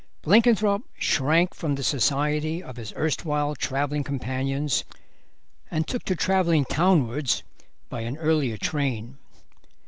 Blenkinthrope shrank from the society of his erstwhile travelling companions and took to travelling townwards by an earlier train.